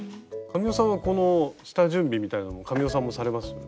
神尾さんはこの下準備みたいなのも神尾さんもされます？